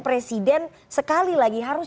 presiden sekali lagi harus